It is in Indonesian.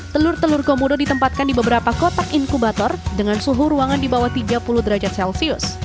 telur telur komodo ditempatkan di beberapa kotak inkubator dengan suhu ruangan di bawah tiga puluh derajat celcius